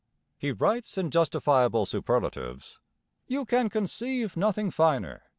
He writes in justifiable superlatives. 'You can conceive nothing finer.